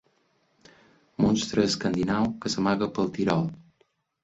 Monstre escandinau que s'amaga pel Tirol.